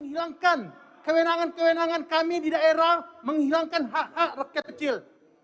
menghilangkan kewenangan kewenangan kami di daerah menghilangkan hak hak rakyat kecil